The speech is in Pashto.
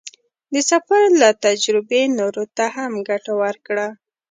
د سفر له تجربې نورو ته هم ګټه ورکړه.